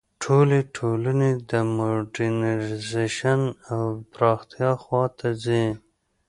ټولې ټولنې د موډرنیزېشن او پراختیا خوا ته ځي.